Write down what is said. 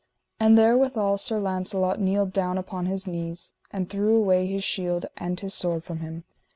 And therewithal Sir Launcelot kneeled down upon his knees, and threw away his shield and his sword from him.